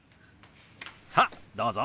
さあどうぞ！